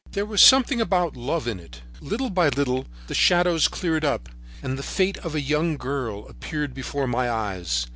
There was something about love in it. Little by little the shadows cleared up, and the face of a young girl appeared before my eyes.